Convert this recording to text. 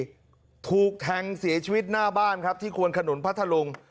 ถูกแทงเสียชีวิตหน้าบ้านครับที่ควนขนุนพัทธลุง